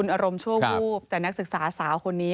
อารมณ์ชั่ววูบแต่นักศึกษาสาวคนนี้